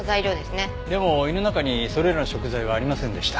でも胃の中にそれらの食材はありませんでした。